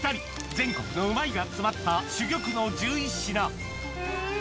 全国のうまいが詰まった珠玉の１１品うん！